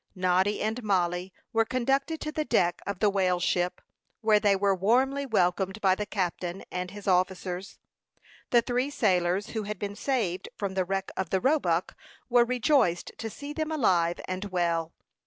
Noddy and Mollie were conducted to the deck of the whale ship, where they were warmly welcomed by the captain and his officers. The three sailors who had been saved from the wreck of the Roebuck were rejoiced to see them alive and well.